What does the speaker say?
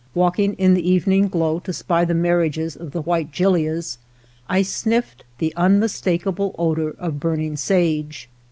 Walking in the evening glow to spy the marriages of the white gilias, I sniffed the unmistakable odor of burning saoe.